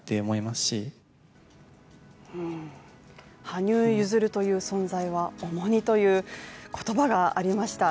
「羽生結弦という存在は重荷」という言葉がありました。